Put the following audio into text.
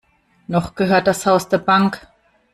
Noch gehört das Haus der Bank.